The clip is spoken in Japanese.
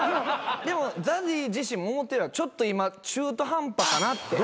でもＺＡＺＹ自身も思ってちょっと今中途半端かなって。